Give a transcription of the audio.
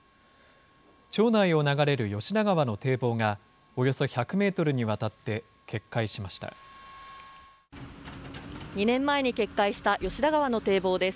町内を流れる吉田川の堤防が、およそ１００メートルにわたって決２年前に決壊した吉田川の堤防です。